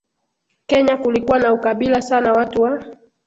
Kenya kulikuwa na ukabila sana Watu wa